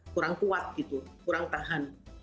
kurang kuat gitu kurang tahan